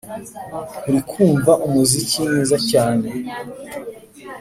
nkurikumva umuziki mwiza cyane.